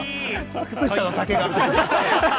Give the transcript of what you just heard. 靴下の丈が。